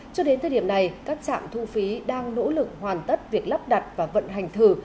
cho đến thời điểm này các trạm thu phí đang nỗ lực hoàn tất việc lắp đặt và vận hành thử